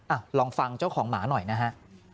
ลองฟังเจ้าของหมาหน่อยนะฮะ